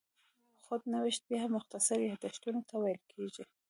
خود نوشت بیا مختصر یادښتونو ته ویل کېږي.